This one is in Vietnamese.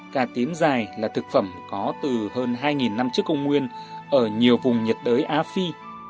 cà tím dài là thực phẩm có từ hơn hai năm trước công nguyên ở nhiều vùng nhiệt đới á phi